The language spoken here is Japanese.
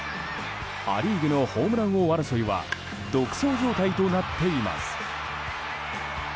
ア・リーグのホームラン王争いは独走状態となっています。